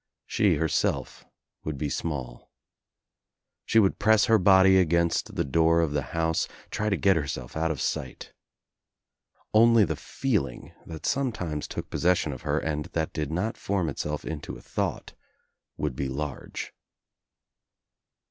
She herself would be small. She would press her body against the door of the house, try to get herself out of sight. Only the feeling that sometimes took possession of her, and that did not form Itself into a thought would be large.